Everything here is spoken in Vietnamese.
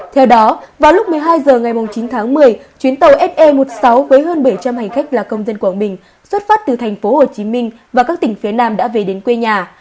theo đó vào lúc một mươi hai h ngày chín tháng một mươi chuyến tàu se một mươi sáu với hơn bảy trăm linh hành khách là công dân quảng bình xuất phát từ thành phố hồ chí minh và các tỉnh phía nam đã về đến quê nhà